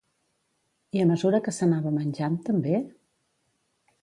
I a mesura que s'anava menjant, també?